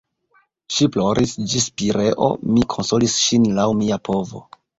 Ŝi ploris ĝis Pireo, mi konsolis ŝin laŭ mia povo.